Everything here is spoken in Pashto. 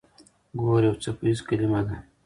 ګور يو څپيز کلمه ده.